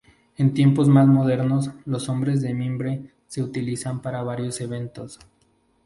En tiempos más modernos, los hombres de mimbre se utilizan para varios eventos.